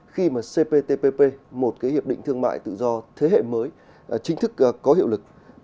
khi mà cptpp một cái hiệp định thương mại tự do thế hệ mới chính thức có hiệu lực